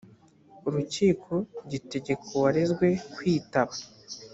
urukiko gitegeka uwarezwe kwitaba